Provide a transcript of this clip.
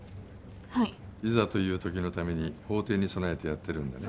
はいいざという時のために法廷に備えてやってるんだね